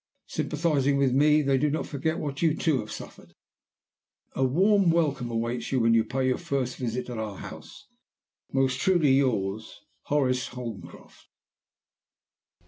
Sympathizing with me, they do not forget what you too have suffered. A warm welcome awaits you when you pay your first visit at our house. Most truly yours, "HORACE HOLMCROFT."